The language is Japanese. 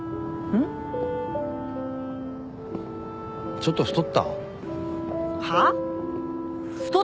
ちょっと太った？はっ？